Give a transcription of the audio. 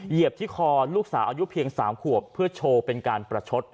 เหยียบที่คอลูกสาวอายุเพียง๓ขวบเพื่อโชว์เป็นการประชด